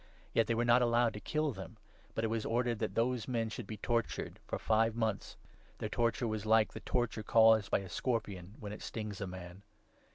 Yet they were not allowed to kill them, but it 5 was ordered that those men should be tortured for five months. Their torture was like the torture caused by a scorpion when it stings a man.